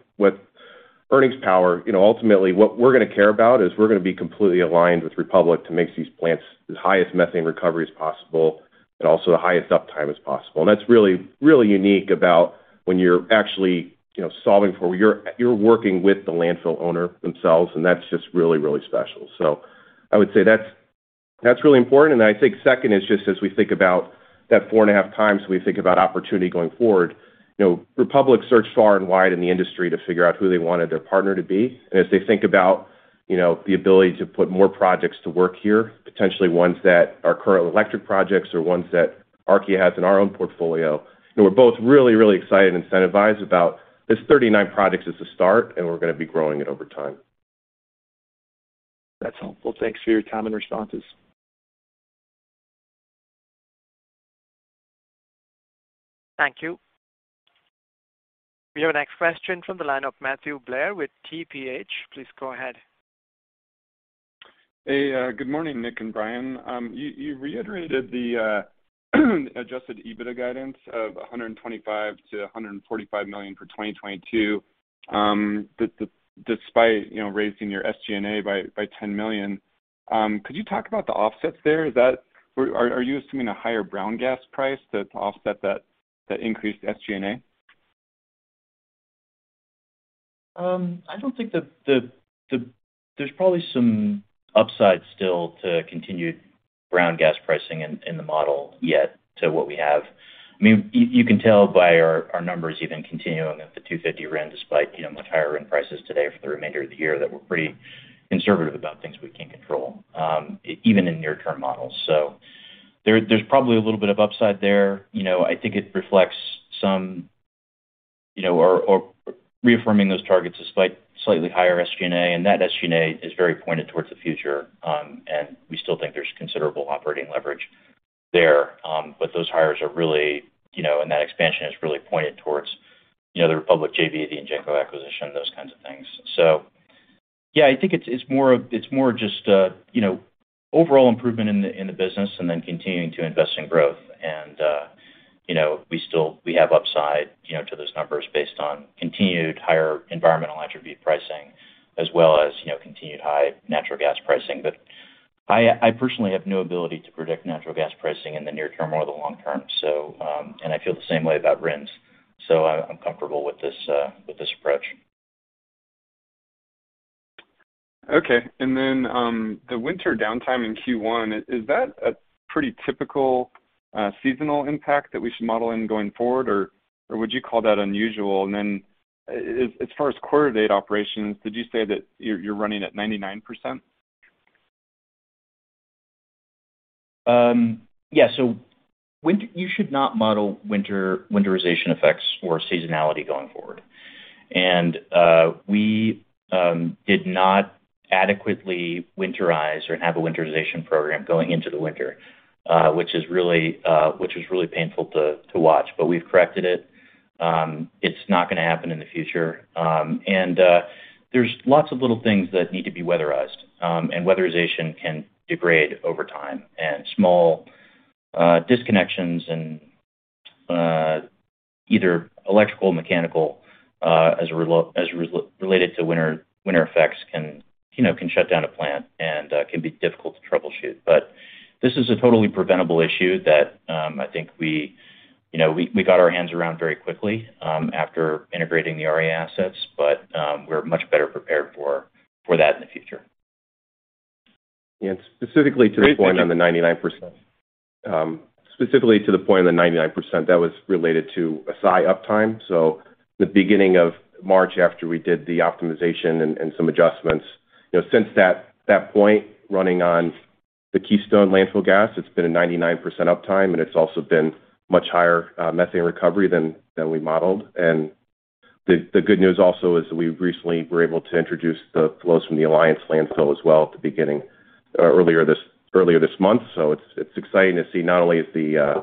earnings power, you know, ultimately, what we're gonna care about is we're gonna be completely aligned with Republic to make these plants the highest methane recovery as possible and also the highest uptime as possible. That's really, really unique about when you're actually, you know, solving for. You're working with the landfill owner themselves, and that's just really, really special. I would say that's really important. I think second is just as we think about that 4.5 times, we think about opportunity going forward. You know, Republic searched far and wide in the industry to figure out who they wanted their partner to be. As they think about. You know, the ability to put more projects to work here, potentially ones that are current electric projects or ones that Archaea has in our own portfolio. You know, we're both really, really excited and incentivized about this 39 projects is the start, and we're gonna be growing it over time. That's helpful. Thanks for your time and responses. Thank you. We have our next question from the line of Matthew Blair with TPH. Please go ahead. Hey, good morning, Nick and Brian. You reiterated the Adjusted EBITDA guidance of $125 million-$145 million for 2022, despite, you know, raising your SG&A by $10 million. Could you talk about the offsets there? Is that? Are you assuming a higher biogas price to offset that increased SG&A? I don't think the, the. There's probably some upside still to continued biogas pricing in the model yet to what we have. I mean, you can tell by our numbers even continuing at the 250 RIN despite, you know, much higher RIN prices today for the remainder of the year that we're pretty conservative about things we can't control, even in near-term models. There's probably a little bit of upside there. You know, I think it reflects some, you know. Or reaffirming those targets despite slightly higher SG&A, and that SG&A is very pointed towards the future, and we still think there's considerable operating leverage there. Those hires are really, you know, and that expansion is really pointed towards, you know, the Republic JV, the INGENCO acquisition, those kinds of things. I think it's more just a, you know, overall improvement in the business and then continuing to invest in growth. You know, we still have upside, you know, to those numbers based on continued higher environmental attribute pricing as well as, you know, continued high natural gas pricing. I personally have no ability to predict natural gas pricing in the near term or the long term, so, and I feel the same way about RINs. I'm comfortable with this approach. Okay. The winter downtime in Q1, is that a pretty typical seasonal impact that we should model in going forward or would you call that unusual? As far as quarter-to-date operations, did you say that you're running at 99%? You should not model winterization effects or seasonality going forward. We did not adequately winterize or have a winterization program going into the winter, which was really painful to watch. We've corrected it. It's not gonna happen in the future. There's lots of little things that need to be weatherized, and weatherization can degrade over time. Small disconnections and either electrical, mechanical, as related to winter effects can you know shut down a plant and can be difficult to troubleshoot. This is a totally preventable issue that I think we you know got our hands around very quickly after integrating the Archaea assets. We're much better prepared for that in the future. Specifically to the point on the 99%, that was related to Assai uptime. The beginning of March after we did the optimization and some adjustments. Since that point, running on the Keystone landfill gas, it's been a 99% uptime, and it's also been much higher methane recovery than we modeled. The good news also is we recently were able to introduce the flows from the Alliance landfill as well earlier this month. It's exciting to see not only is the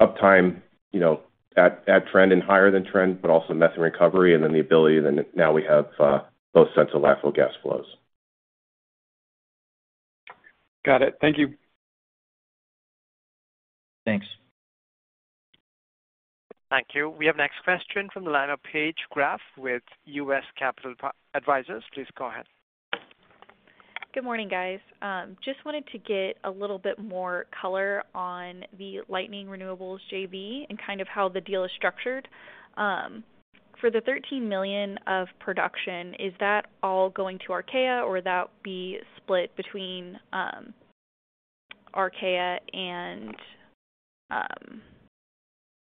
uptime at trend and higher than trend, but also methane recovery and then the ability then now we have both sets of landfill gas flows. Got it. Thank you. Thanks. Thank you. We have next question from the line of Paige Graf with U.S. Capital Advisors. Please go ahead. Good morning, guys. Just wanted to get a little bit more color on the Lightning Renewables JV and kind of how the deal is structured. For the 13 million of production, is that all going to Archaea or that be split between Archaea and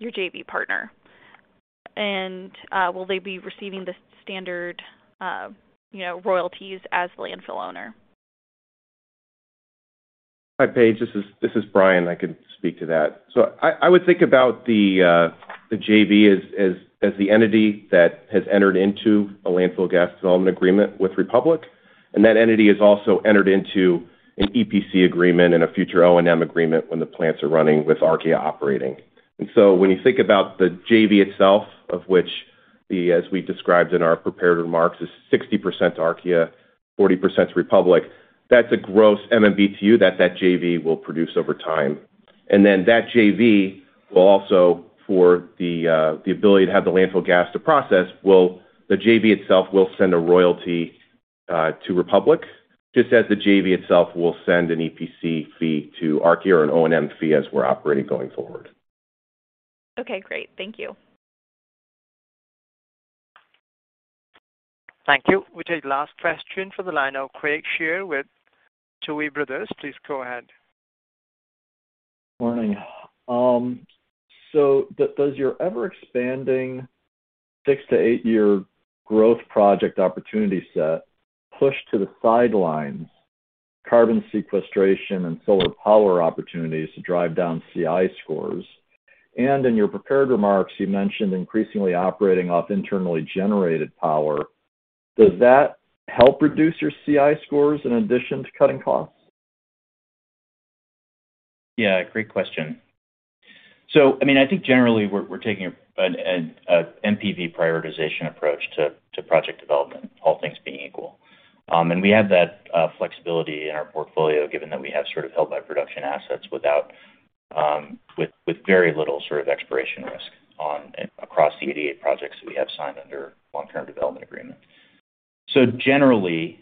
your JV partner? Will they be receiving the standard, you know, royalties as the landfill owner? Hi, Paige. This is Brian. I can speak to that. I would think about the JV as the entity that has entered into a landfill gas development agreement with Republic, and that entity has also entered into an EPC agreement and a future O&M agreement when the plants are running with Archaea operating. When you think about the JV itself, of which, as we described in our prepared remarks, is 60% Archaea, 40% Republic, that's a gross MMBtu that that JV will produce over time. Then that JV will also, for the ability to have the landfill gas to process, the JV itself will send a royalty to Republic, just as the JV itself will send an EPC fee to Archaea or an O&M fee as we're operating going forward. Okay, great. Thank you. Thank you. With the last question from the line of Craig Shere with Tuohy Brothers. Please go ahead. Morning. Does your ever-expanding six- eight-year growth project opportunity set push to the sidelines carbon sequestration and solar power opportunities to drive down CI scores? In your prepared remarks, you mentioned increasingly operating off internally generated power. Does that help reduce your CI scores in addition to cutting costs? Yeah, great question. I mean, I think generally we're taking a NPV prioritization approach to project development, all things being equal. We have that flexibility in our portfolio, given that we have sort of held by production assets with very little sort of exploration risk across the 88 projects that we have signed under long-term development agreement. Generally,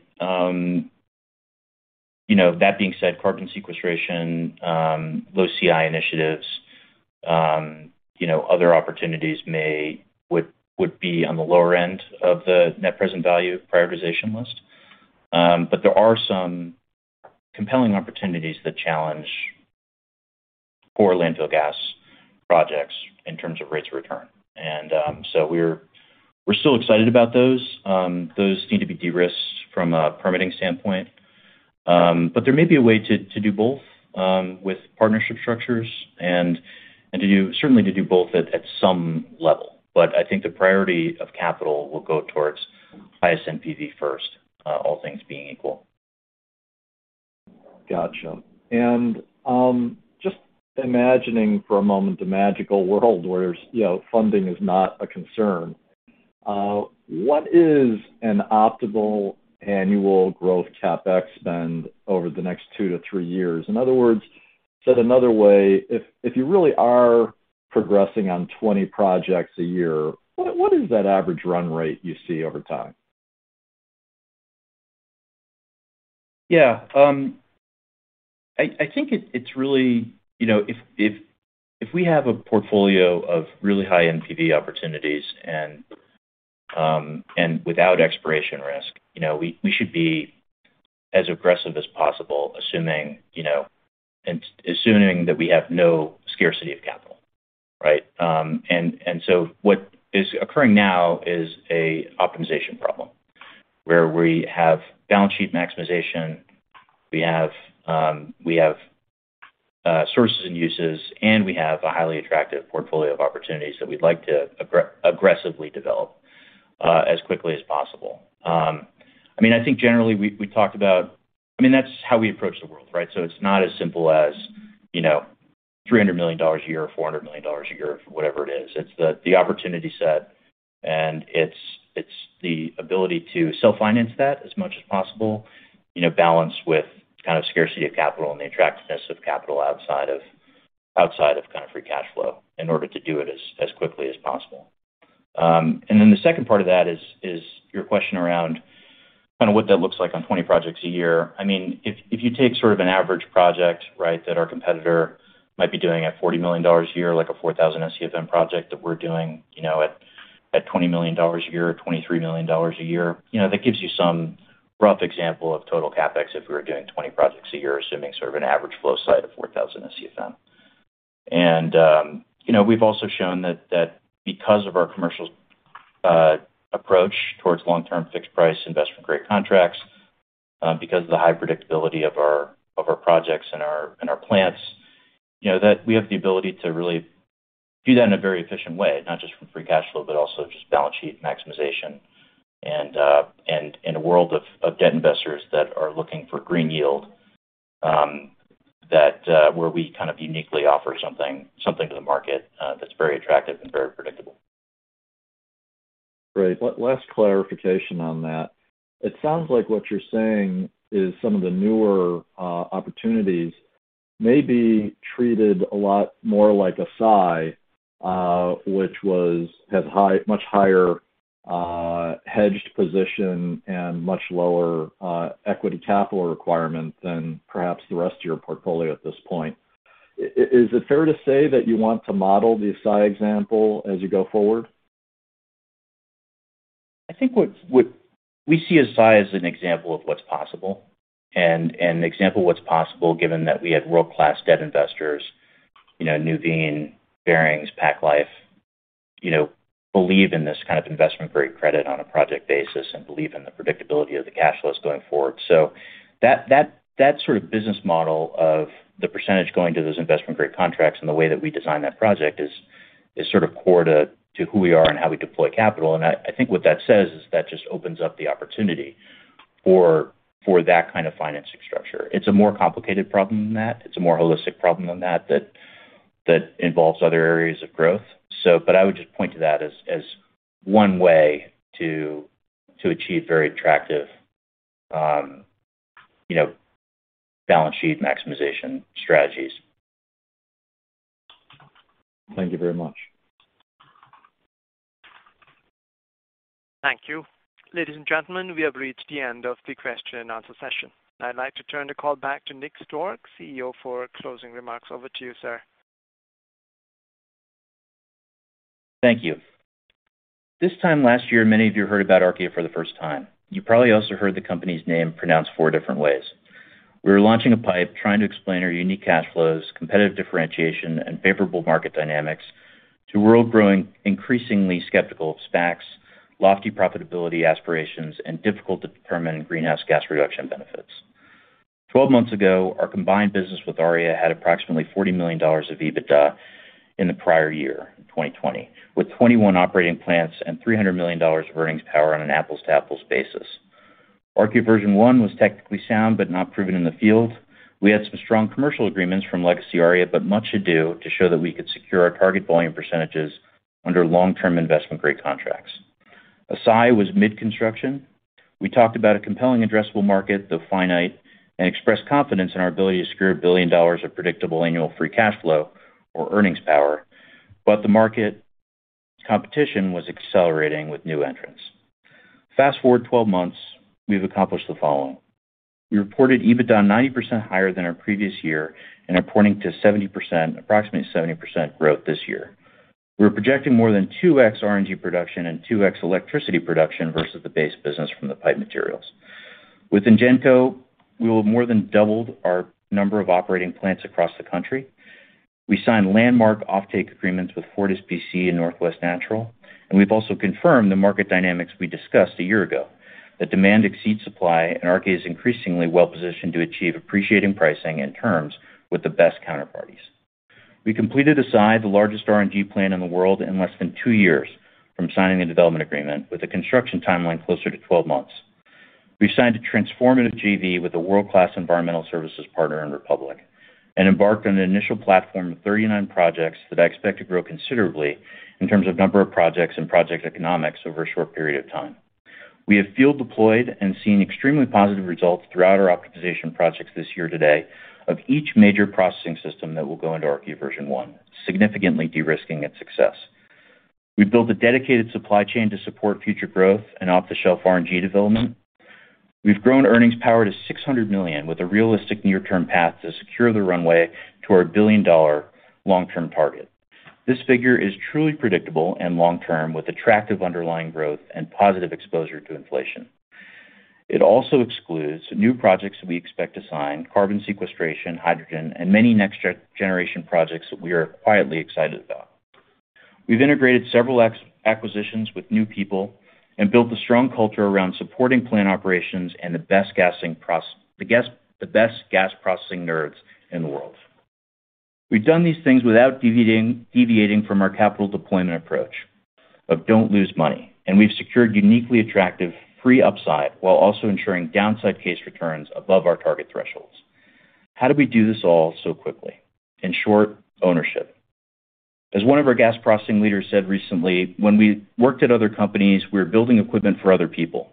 you know, that being said, carbon sequestration, low CI initiatives, you know, other opportunities would be on the lower end of the net present value prioritization list. There are some compelling opportunities that challenge poor landfill gas projects in terms of rates of return. We're still excited about those. Those need to be de-risked from a permitting standpoint. There may be a way to do both, with partnership structures and certainly to do both at some level. I think the priority of capital will go towards highest NPV first, all things being equal. Gotcha. Just imagining for a moment the magical world where there's, you know, funding is not a concern, what is an optimal annual growth CapEx spend over the next two-three years? In other words, said another way, if you really are progressing on 20 projects a year, what is that average run rate you see over time? Yeah. I think it's really, you know, if we have a portfolio of really high NPV opportunities and without exploration risk, you know, we should be as aggressive as possible, assuming that we have no scarcity of capital, right? What is occurring now is an optimization problem where we have balance sheet maximization, we have sources and uses, and we have a highly attractive portfolio of opportunities that we'd like to aggressively develop as quickly as possible. I mean, I think generally we talked about. I mean, that's how we approach the world, right? It's not as simple as, you know, $300 million a year or $400 million a year or whatever it is. It's the opportunity set, and it's the ability to self-finance that as much as possible, you know, balance with kind of scarcity of capital and the attractiveness of capital outside of kind of free cash flow in order to do it as quickly as possible. The second part of that is your question around kind of what that looks like on 20 projects a year. I mean, if you take sort of an average project, right, that our competitor might be doing at $40 million a year, like a 4,000 SCFM project that we're doing, you know, at $20 million a year or $23 million a year, you know, that gives you some rough example of total CapEx if we were doing 20 projects a year, assuming sort of an average flow site of 4,000 SCFM. You know, we've also shown that because of our commercial approach towards long-term fixed price investment grade contracts, because of the high predictability of our projects and our plants, you know, that we have the ability to really do that in a very efficient way, not just from free cash flow, but also just balance sheet maximization. In a world of debt investors that are looking for green yield, where we kind of uniquely offer something to the market that's very attractive and very predictable. Great. Last clarification on that. It sounds like what you're saying is some of the newer opportunities may be treated a lot more like Assai, which has much higher hedged position and much lower equity capital requirement than perhaps the rest of your portfolio at this point. Is it fair to say that you want to model the Assai example as you go forward? I think what we see Assai as an example of what's possible and an example of what's possible given that we had world-class debt investors. You know, Nuveen, Barings, PacLife, you know, believe in this kind of investment grade credit on a project basis and believe in the predictability of the cash flows going forward. That sort of business model of the percentage going to those investment grade contracts and the way that we design that project is sort of core to who we are and how we deploy capital. I think what that says is that just opens up the opportunity for that kind of financing structure. It's a more complicated problem than that. It's a more holistic problem than that that involves other areas of growth. I would just point to that as one way to achieve very attractive, you know, balance sheet maximization strategies. Thank you very much. Thank you. Ladies and gentlemen, we have reached the end of the question and answer session. I'd like to turn the call back to Nick Stork, CEO, for closing remarks. Over to you, sir. Thank you. This time last year, many of you heard about RNG for the first time. You probably also heard the company's name pronounced four different ways. We were launching an IPO trying to explain our unique cash flows, competitive differentiation, and favorable market dynamics to a world growing increasingly skeptical of SPACs, lofty profitability aspirations, and difficult to determine greenhouse gas reduction benefits. 12 months ago, our combined business with Archaea had approximately $40 million of EBITDA in the prior year, in 2020, with 21 operating plants and $300 million of earnings power on an apples-to-apples basis. Archaea Version one was technically sound but not proven in the field. We had some strong commercial agreements from Legacy Aria, but much to do to show that we could secure our target volume percentages under long-term investment grade contracts. Assai was mid-construction. We talked about a compelling addressable market, though finite, and expressed confidence in our ability to secure $1 billion of predictable annual free cash flow or earnings power. The market competition was accelerating with new entrants. Fast-forward 12 months, we've accomplished the following. We reported EBITDA 90% higher than our previous year and are pointing to 70%, approximately 70% growth this year. We are projecting more than 2x RNG production and 2x electricity production versus the base business from the pipe materials. With INGENCO, we will have more than doubled our number of operating plants across the country. We signed landmark offtake agreements with FortisBC and Northwest Natural, and we've also confirmed the market dynamics we discussed a year ago. That demand exceeds supply and RNG is increasingly well-positioned to achieve appreciating pricing and terms with the best counterparties. We completed Assai, the largest RNG plant in the world, in less than two years from signing a development agreement with a construction timeline closer to 12 months. We signed a transformative JV with a world-class environmental services partner with Republic and embarked on an initial platform of 39 projects that I expect to grow considerably in terms of number of projects and project economics over a short period of time. We have field deployed and seen extremely positive results throughout our optimization projects this year to date of each major processing system that will go into Archaea Version one, significantly de-risking its success. We've built a dedicated supply chain to support future growth and off-the-shelf RNG development. We've grown earnings power to $600 million with a realistic near-term path to secure the runway to our $1 billion long-term target. This figure is truly predictable and long-term, with attractive underlying growth and positive exposure to inflation. It also excludes new projects that we expect to sign, carbon sequestration, hydrogen, and many next generation projects that we are quietly excited about. We've integrated several ex-acquisitions with new people and built a strong culture around supporting plant operations and the best gas processing nerds in the world. We've done these things without deviating from our capital deployment approach of don't lose money, and we've secured uniquely attractive free upside while also ensuring downside case returns above our target thresholds. How did we do this all so quickly? In short, ownership. As one of our gas processing leaders said recently, when we worked at other companies, we were building equipment for other people.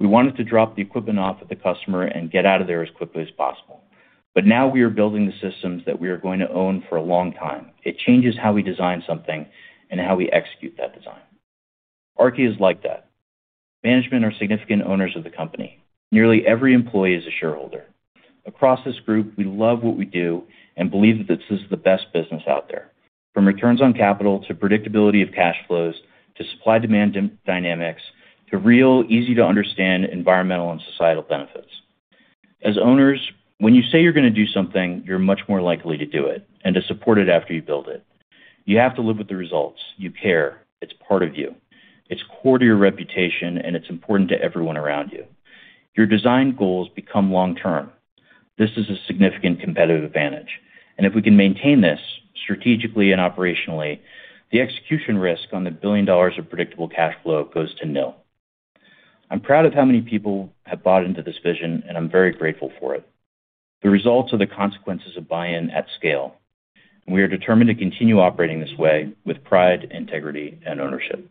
We wanted to drop the equipment off at the customer and get out of there as quickly as possible. Now we are building the systems that we are going to own for a long time. It changes how we design something and how we execute that design. RG is like that. Management are significant owners of the company. Nearly every employee is a shareholder. Across this group, we love what we do and believe that this is the best business out there. From returns on capital, to predictability of cash flows, to supply-demand dynamics, to real easy to understand environmental and societal benefits. As owners, when you say you're going to do something, you're much more likely to do it and to support it after you build it. You have to live with the results. You care. It's part of you. It's core to your reputation, and it's important to everyone around you. Your design goals become long-term. This is a significant competitive advantage, and if we can maintain this strategically and operationally, the execution risk on the $1 billion of predictable cash flow goes to nil. I'm proud of how many people have bought into this vision, and I'm very grateful for it. The results are the consequences of buy-in at scale, and we are determined to continue operating this way with pride, integrity, and ownership.